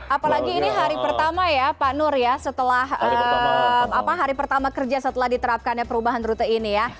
apalagi ini hari pertama ya pak nur ya setelah hari pertama kerja setelah diterapkan perubahan rute ini ya